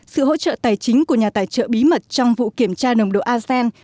sự hỗ trợ tài chính của nhà tài trợ bí mật trong vụ kiểm tra nồng độ asean